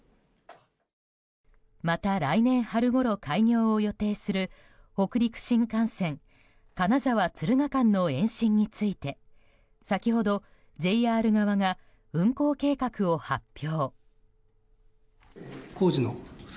また、来年春ごろ開業を予定する北陸新幹線、金沢敦賀間の延伸について先ほどＪＲ側が運行計画を発表。